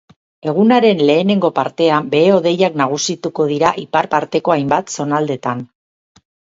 Egunaren lehenengo partean, behe-hodeiak nagusituko dira ipar parteko hainbat zonaldetan.